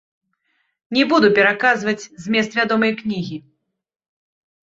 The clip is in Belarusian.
Не буду пераказваць змест вядомай кнігі.